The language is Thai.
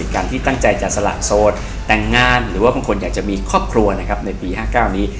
สิทธิ์การที่ตั้งใจจะสละโสดแต่งงานหรือบางคนอยากจะมีครอบครัวนี้